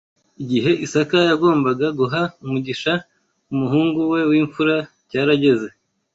Igihe Isaka yagombaga guha umugisha umuhungu we w’imfura cyarageze